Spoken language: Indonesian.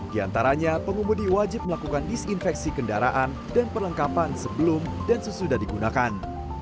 di antaranya pengemudi wajib melakukan disinfeksi kendaraan dan perlengkapan sebelum dan sesudah digunakan